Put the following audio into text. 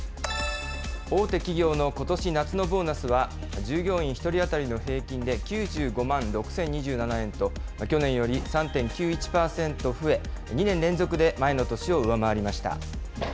大手企業のことし夏のボーナスは、従業員１人当たりの平均で９５万６０２７円と、去年より３．９１％増え、２年連続で前の年を上回りました。